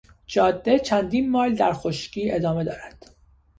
جاده چندین مایل در خشکی ادامه دارد.